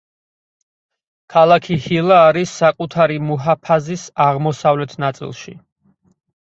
ქალაქი ჰილა არის საკუთარი მუჰაფაზის აღმოსავლეთ ნაწილში.